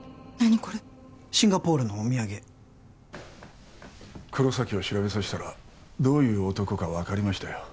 シンガポールのお土産黒崎を調べさせたらどういう男か分かりましたよ